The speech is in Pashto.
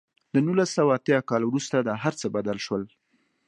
له نولس سوه اتیا کال وروسته دا هر څه بدل شول.